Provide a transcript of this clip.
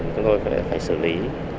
chúng tôi phải xử lý